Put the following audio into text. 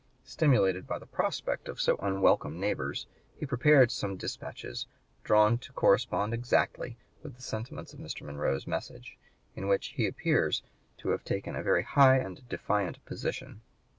Stimulated by the prospect of so unwelcome neighbors, he prepared some dispatches, "drawn to correspond exactly" with the sentiments of Mr. Monroe's message, in which he appears to have taken a very high and defiant position.